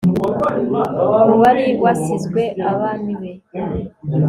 uwari wasizwe aban be